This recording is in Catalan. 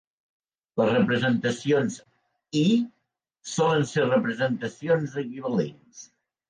Les representacions "i" solen ser representacions equivalents.